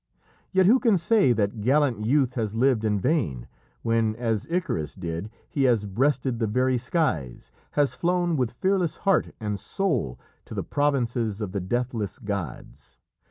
Yet who can say that gallant youth has lived in vain when, as Icarus did, he has breasted the very skies, has flown with fearless heart and soul to the provinces of the deathless gods?